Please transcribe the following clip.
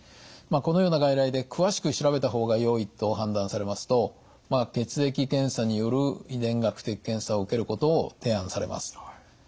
このような外来で詳しく調べた方がよいと判断されますと血液検査による遺伝学的検査を受けることを提案されます。